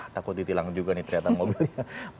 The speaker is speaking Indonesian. takut ditilang juga nih ternyata mobilnya